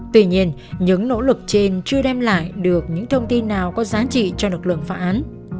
tuy nhiên những nỗ lực trên chưa đem lại được những thông tin nào có giá trị cho lực lượng phá án